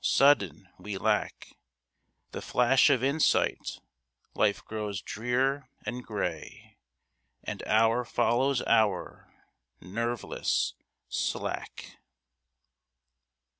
Sudden we lack The flash of insight, life grows drear and gray, And hour follows hour, nerveless, slack.